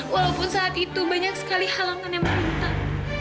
walaupun saat itu banyak sekali halangan yang merentan